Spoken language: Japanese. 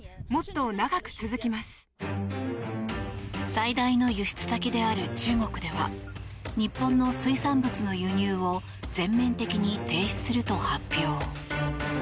最大の輸出先である中国では日本の水産物の輸入を全面的に停止すると発表。